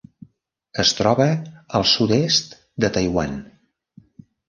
Es troba al sud-est de Taiwan.